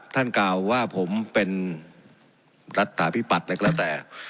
ท่านกล่าวว่าผมเป็นรัฐสาพิปัตธิ์แล้วก็แล้วแต่